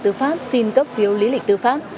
tư pháp xin cấp phiếu lý lịch tư pháp